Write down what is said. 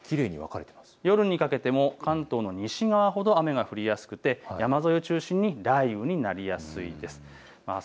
夜にかけても関東の西側ほど雨が降りやすくて、山沿いを中心に雷雨になりやすいです。